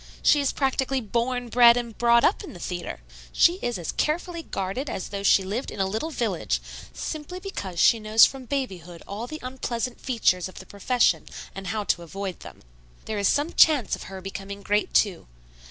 She is practically born, bred and brought up in the theatre. She is as carefully guarded as though she lived in a little village, simply because she knows from babyhood all the unpleasant features of the profession and how to avoid them. There is some chance of her becoming great, too.